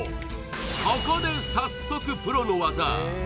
ここで早速プロのワザ